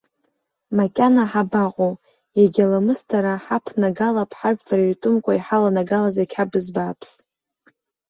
Макьана ҳабаҟоу, иагьа ламысдара ҳаԥнагалап ҳажәлар иртәымкәа иҳаланагалаз ақьабз бааԥс!